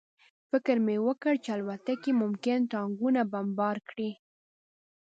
فکر مې وکړ چې الوتکې ممکن ټانکونه بمبار کړي